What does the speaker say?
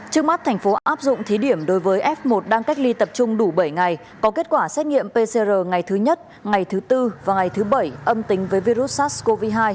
trước mắt thành phố áp dụng thí điểm đối với f một đang cách ly tập trung đủ bảy ngày có kết quả xét nghiệm pcr ngày thứ nhất ngày thứ tư và ngày thứ bảy âm tính với virus sars cov hai